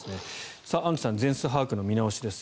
アンジュさん全数把握の見直しです。